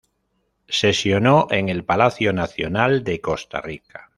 Sesionó en el Palacio Nacional de Costa Rica.